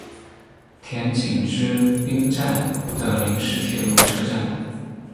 田井之滨站的临时铁路车站。